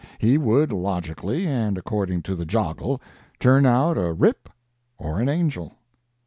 He would, logically and according to the joggle, turn out a rip or an angel."